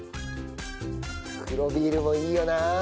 黒ビールもいいよな。